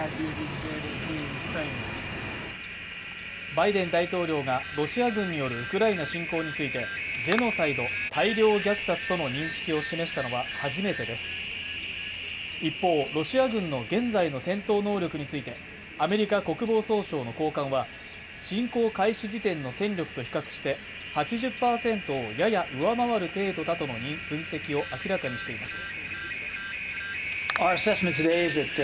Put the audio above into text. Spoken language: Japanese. バイデン大統領がロシア軍によるウクライナ侵攻についてジェノサイド＝大量虐殺との認識を示したのは初めてです一方、ロシア軍の現在の戦闘能力についてアメリカ国防総省の高官は侵攻開始時点の戦力と比較して８０％をやや上回る程度だとのに分析を明らかにしています